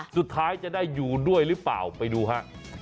สุดท้ายจะได้อยู่ด้วยหรือเปล่าไปดูฮะ